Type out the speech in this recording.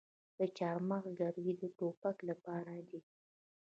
د چهارمغز لرګي د ټوپک لپاره دي.